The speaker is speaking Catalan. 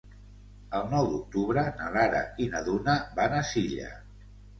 El nou d'octubre na Lara i na Duna van a Silla.